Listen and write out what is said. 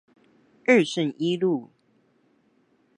二聖一路